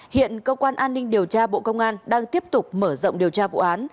hiện cơ quan an ninh điều tra bộ công an đang tiếp tục mở rộng điều tra vụ án